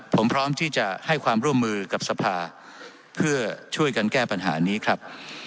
ผมพร้อมที่จะให้ความร่วมมือกับสภาเพื่อช่วยกันแก้ปัญหานี้ครับ